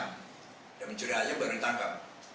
sudah mencuri aja baru ditangkap